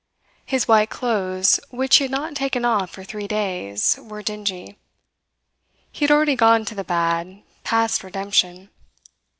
His white clothes, which he had not taken off for three days, were dingy. He had already gone to the bad, past redemption.